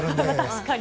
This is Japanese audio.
確かに。